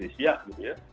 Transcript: ini siap gitu ya